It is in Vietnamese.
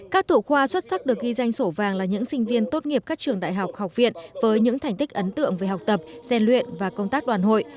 các thủ khoa xuất sắc được ghi danh sổ vàng là những sinh viên tốt nghiệp các trường đại học học viện với những thành tích ấn tượng về học tập gian luyện và công tác đoàn hội